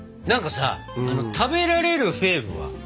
何かさ食べられるフェーブは？